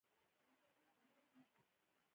هر چا چې دا ظلم کړی ډېر بد یې کړي دي.